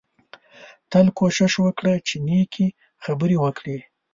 تل کوشش وکړه چې نېکې خبرې وکړې